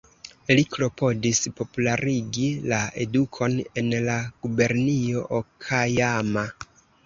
Li klopodis popularigi la edukon en la gubernio Okajama.